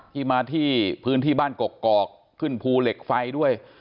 ที่มาที่พื้นที่บ้านกกอกขึ้นภูเหล็กไฟด้วย